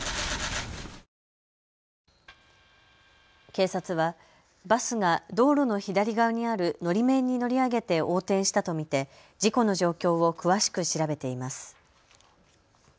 警察はバスが道路の左側にあるのり面に乗り上げて横転したと見て事故の状況を詳しく調べています。